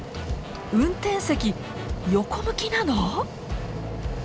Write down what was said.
運転席横向きなの？